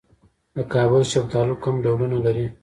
د کابل شفتالو کوم ډولونه لري؟